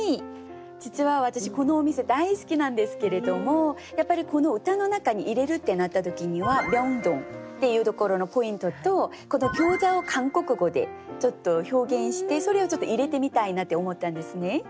実は私このお店大好きなんですけれどもやっぱりこの歌の中に入れるってなった時には「明洞」っていうところのポイントとこの「餃子」を韓国語で表現してそれを入れてみたいなって思ったんですね。